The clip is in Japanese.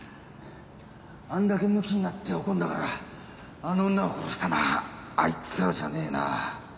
あんだけむきになって怒るんだからあの女を殺したのはあいつらじゃねえな。